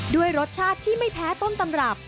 ด้วยรสชาติที่ไม่แพ้ต้นตำรับ